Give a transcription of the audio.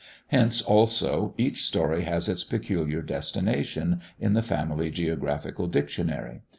Hence, also, each story has its peculiar destination in the family geographical dictionary.